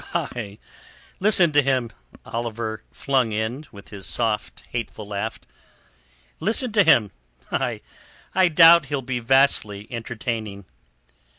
"Ay, listen to him," Oliver flung in, with his soft hateful laugh. "Listen to him. I doubt he'll be vastly entertaining."